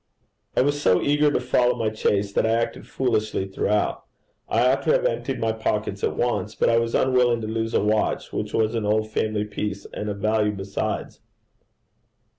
I was so eager to follow my chase that I acted foolishly throughout. I ought to have emptied my pockets at once; but I was unwilling to lose a watch which was an old family piece, and of value besides.